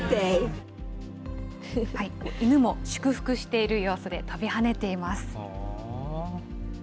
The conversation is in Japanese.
犬も祝福している様子で、跳びはねています。